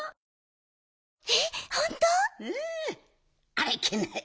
あらいけない。